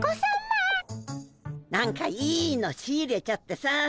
何かいいの仕入れちゃってさ。